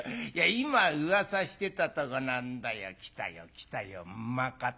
今うわさしてたとこなんだよ。来たよ来たよ馬方が。